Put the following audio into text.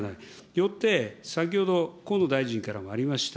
よって、先ほど、河野大臣からもありました。